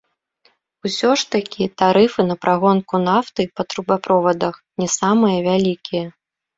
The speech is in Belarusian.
Усё ж такі тарыфы на прагонку нафты па трубаправодах не самыя вялікія.